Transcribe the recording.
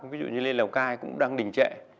ví dụ như lên lào cai cũng đang đình trệ